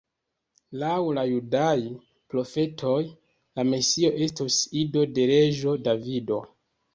Laŭ la judaj profetoj, la Mesio estos ido de reĝo Davido.